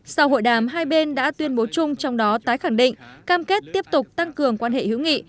sau hội đàm hai bên đã tuyên bố chung trong đó tái khẳng định cam kết tiếp tục tăng cường quan hệ hữu nghị